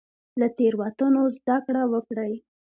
له تیروتنو زده کړه وکړئ